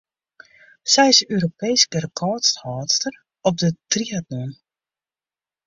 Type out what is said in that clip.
Sy is Europeesk rekôrhâldster op de triatlon.